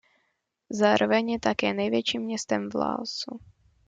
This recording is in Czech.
Zároveň je také největším městem v Laosu.